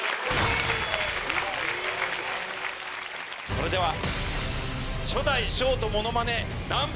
それでは。